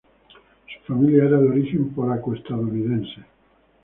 Su familia era de origen polaco-estadounidense.